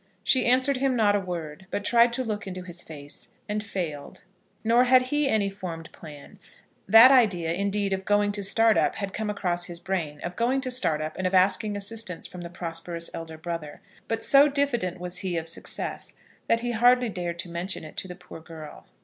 She answered him not a word; but tried to look into his face and failed. Nor had he any formed plan. That idea, indeed, of going to Startup had come across his brain, of going to Startup, and of asking assistance from the prosperous elder brother. But so diffident was he of success that he hardly dared to mention it to the poor girl.